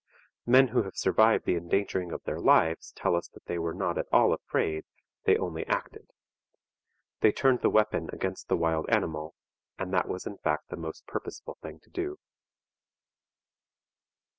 Men who have survived the endangering of their lives tell us that they were not at all afraid, they only acted. They turned the weapon against the wild animal, and that was in fact the most purposeful thing to do.